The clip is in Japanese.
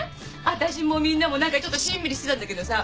私もみんなも何かちょっとしんみりしてたんだけどさ。